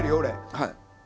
はい。